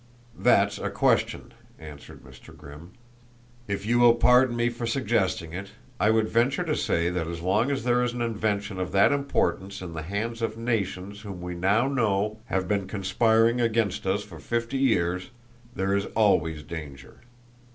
"That's a question," answered Mr. Grimm. "If you will pardon me for suggesting it, I would venture to say that as long as there is an invention of that importance in the hands of nations whom we now know have been conspiring against us for fifty years, there is always danger.